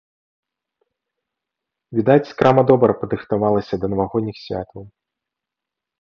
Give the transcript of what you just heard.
Відаць, крама добра падрыхтавалася да навагодніх святаў.